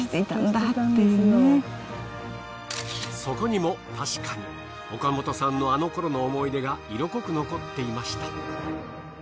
そこにも確かに岡本さんのあのころの思い出が色濃く残っていました。